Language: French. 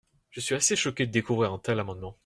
Je suis assez choquée de découvrir un tel amendement.